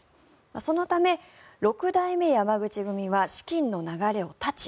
そのため六代目山口組は資金の流れを断ち